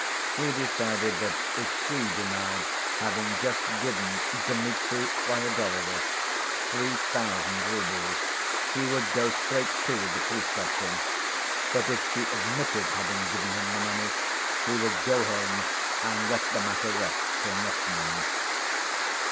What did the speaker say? He decided that if she denied having just given Dmitri Fyodorovitch three thousand roubles, he would go straight to the police captain, but if she admitted having given him the money, he would go home and let the matter rest till next morning.